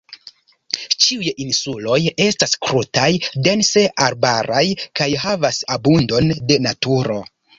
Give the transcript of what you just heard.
Ĉiuj insuloj estas krutaj, dense arbaraj kaj havas abundon de naturo.